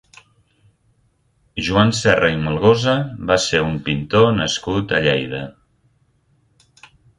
Joan Serra i Melgosa va ser un pintor nascut a Lleida.